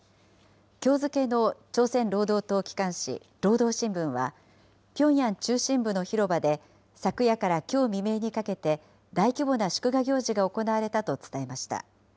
きょう付けの朝鮮労働党機関紙、労働新聞は、ピョンヤン中心部の広場で昨夜からきょう未明にかけて、大規模な祝賀行事が行われたと伝えました。